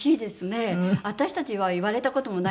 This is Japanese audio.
私たちは言われた事もないですけども。